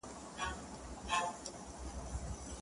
نه احتیاج یمه د علم نه محتاج د هنر یمه ،